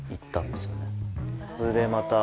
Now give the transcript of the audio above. それでまた。